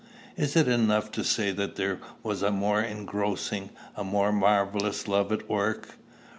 It is enough to say that there was a more engrossing, a more marvellous love at work.